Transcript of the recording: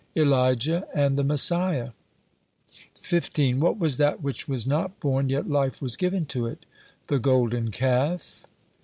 "Elijah and the Messiah." 15. "What was that which was not born, yet life was given to it?" "The golden calf."